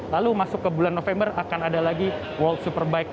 lalu masuk ke bulan november akan ada lagi world superbike